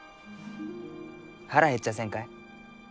腹減っちゃあせんかえ？